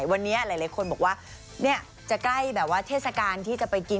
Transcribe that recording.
วันนี้หลายคนบอกว่าจะใกล้แบบว่าเทศกาลที่จะไปกิน